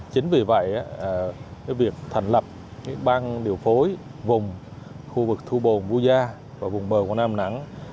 chính vì vậy việc thành lập bang điều phối vùng khu vực thu bồn bu gia và vùng bờ của nam nẵng